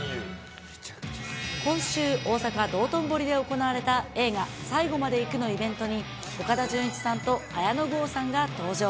今週、大阪・道頓堀で行われた映画、最後まで行くのイベントに、岡田准一さんと綾野剛さんが登場。